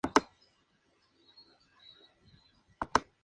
Taumoepeau-Tupou fue un diplomático de carrera.